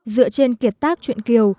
dựa trên kiệt tác chuyện kiều